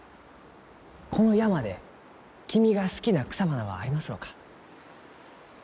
この山で君が好きな草花はありますろうか？